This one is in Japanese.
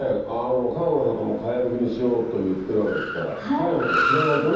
かがくの里も茅ぶきにしようと言ってるわけですから茅のこと知らないとね。